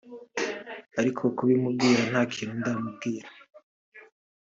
ariko kubimubwira ntakintu ndamubwira